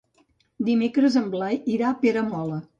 Dimecres en Blai irà a Peramola.